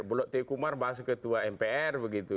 bulok t kumar bahas ketua mpr begitu